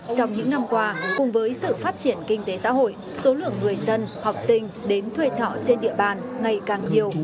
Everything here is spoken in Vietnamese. trong những năm qua cùng với sự phát triển kinh tế xã hội số lượng người dân học sinh đến thuê trọ trên địa bàn ngày càng nhiều